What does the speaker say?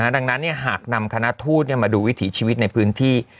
ดังนั้นหากนำคณะทูตมาดูวิถีชีวิตในพื้นที่